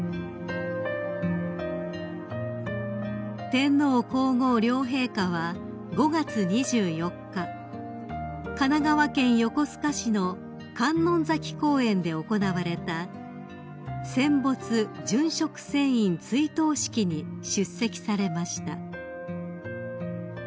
［天皇皇后両陛下は５月２４日神奈川県横須賀市の観音崎公園で行われた戦没・殉職船員追悼式に出席されました］